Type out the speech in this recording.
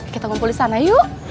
kita ngumpul di sana yuk